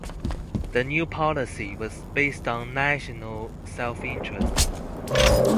The new policy was based on national self-interest.